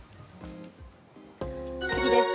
次です。